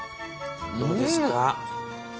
どうですか？